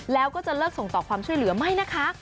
แล้วก็จะเลิกส่งต่อความช่วยเหลือไม่นะคะ